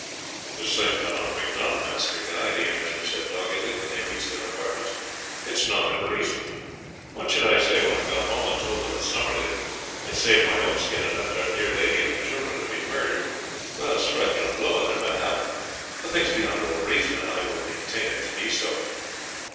"This thing cannot be done, Master Guy," the archer said doggedly when they reached their apartments; "it is not in reason. What should I say when I got home and told them at Summerley that I saved my own skin and left our dear lady and the children to be murdered without striking a blow on their behalf? The thing is beyond all reason, and I will maintain it to be so."